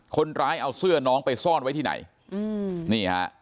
คนร้ายเอาเสื้อน้องไปซ่อนไว้ที่ไหน